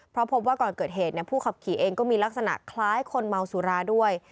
เพราะพบว่าก่อนเกิดเหตุผู้ขับขี่เองก็มีลักษณะคล้ายคนเมาสุราด้วย